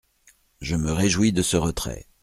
Je me réjouis de ce retrait.